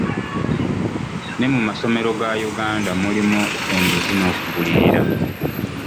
Ne mu masomero ga Uganda mulimu enguzi n'okugulirira.